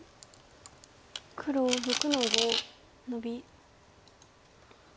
黒６の五ノビ。